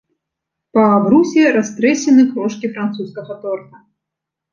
Па абрусе растрэсены крошкі французскага торта.